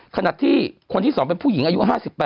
คนที่๒เป็นผู้หญิงอายุ๕๘